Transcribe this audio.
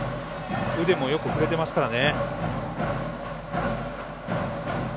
腕も、よく振れてますからね。